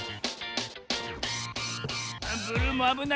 ブルーもあぶないね。